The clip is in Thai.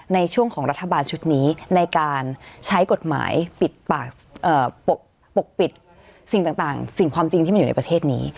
ในช่วงของรัฐบาลชุดนี้ในการใช้กฎหมายปิดปากปกปิดสิ่งต่างสิ่งความจริงที่มันอยู่ในประเทศนี้